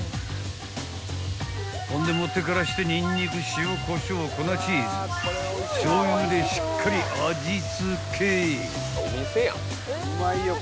［ほんでもってからしてニンニク塩コショウ粉チーズしょう油でしっかり味付け］